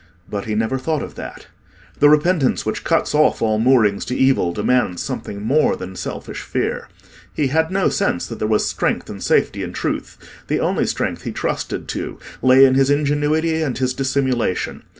But he never thought of that. The repentance which cuts off all moorings to evil, demands something more than selfish fear. He had no sense that there was strength and safety in truth; the only strength he trusted to lay in his ingenuity and his dissimulation.